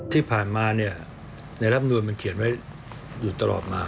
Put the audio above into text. ที่ผ่านมาเนี่ยในรับนูลมันเขียนไว้อยู่ตลอดมา